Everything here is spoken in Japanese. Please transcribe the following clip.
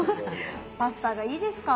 パスタがいいですか？